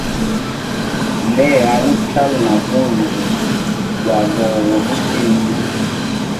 Leya uchala na bunvu bwa gogwa mutindi.